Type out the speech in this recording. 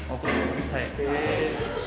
はい。